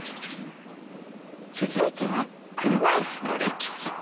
続いては車いすの歴史。